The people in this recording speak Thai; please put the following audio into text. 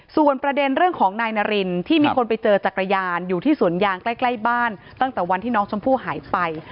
ส่วนประเด็นเรื่องของนายนารินที่มีคนไปเจอจักรยานอยู่ที่สวนยางใกล้บ้านตั้งแต่วันที่น้องชมพู่หายไป